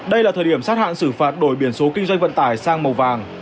đây là thời điểm sát hạn xử phạt đổi biển số kinh doanh vận tải sang màu vàng